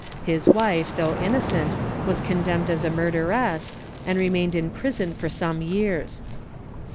His wife though innocent was condemned as a murderess and remained in prison for some years.